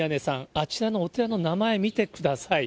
あちらのお寺の名前、見てください。